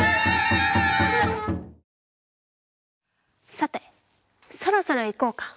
さてそろそろ行こうか。